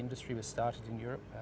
industri ini dimulai di eropa